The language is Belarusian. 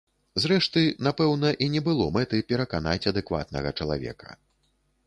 Зрэшты, напэўна, і не было мэты пераканаць адэкватнага чалавека.